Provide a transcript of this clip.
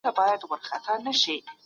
تاسو د سیاست په اړه خپلې لیکنې خپرې کړئ.